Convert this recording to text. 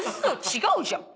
違うじゃん。